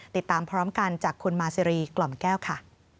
ติดตามพร้อมกันจากคุณมาซีรีกล่อมแก้วค่ะ